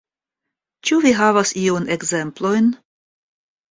Ĉu vi havas iujn ekzemplojn?